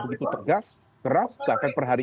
begitu tegas keras bahkan per hari